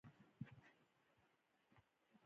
خو دا مې نه پرېږدي او وايي چې ته استراحت وکړه.